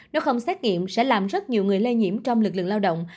nếu không xét nghiệm sẽ làm rất nhiều người lây nhiễm trong lực lượng lao động